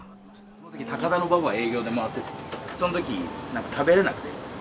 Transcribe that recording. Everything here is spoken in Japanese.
そのとき高田馬場を営業で回ってて、そのとき、食べれなくて。